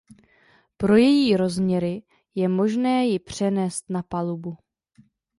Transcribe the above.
Pro její rozměry je možné jí přenést na palubu.